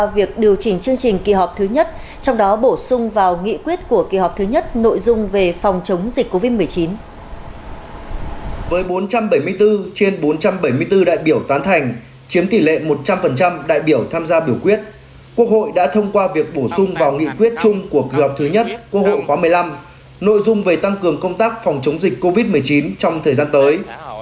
với bốn trăm bảy mươi bốn trên bốn trăm bảy mươi bốn đại biểu tán thành chiếm tỷ lệ một trăm linh đại biểu tham gia biểu quyết quốc hội đã thông qua việc bổ sung vào nghị quyết chung của kỳ họp thứ nhất quốc hội khóa một mươi năm nội dung về tăng cường công tác phòng chống dịch covid một mươi chín trong thời gian tới